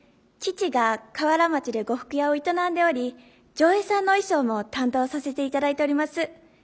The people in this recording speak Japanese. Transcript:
父が河原町で呉服屋を営んでおり条映さんの衣装も担当させていただいております。